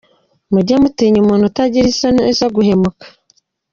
Mujye mutinya umuntu utagira isoni zo guhemuka!